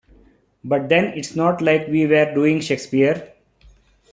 But then it's not like we were doing Shakespeare.